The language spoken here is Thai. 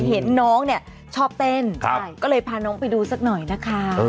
เห็นน้องเนี่ยชอบเต้นก็เลยพาน้องไปดูสักหน่อยนะคะ